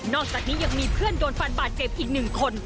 อกจากนี้ยังมีเพื่อนโดนฟันบาดเจ็บอีกหนึ่งคน